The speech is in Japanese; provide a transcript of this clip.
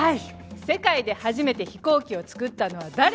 世界で初めて飛行機を作ったのは誰？